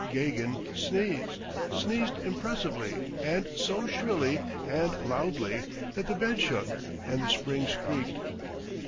Gagin sneezed, sneezed impressively and so shrilly and loudly that the bed shook and the springs creaked.